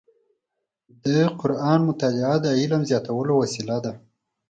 د قرآن مطالع د علم زیاتولو وسیله ده.